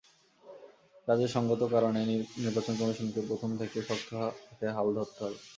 কাজেই সংগত কারণেই নির্বাচন কমিশনকে প্রথম থেকেই শক্ত হাতে হাল ধরতে হবে।